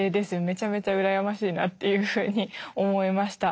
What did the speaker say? めちゃめちゃうらやましいなっていうふうに思いました。